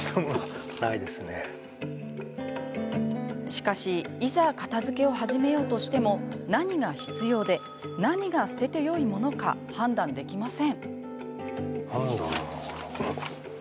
しかし、いざ片づけを始めようとしても何が必要で何が捨ててよいのか判断できません。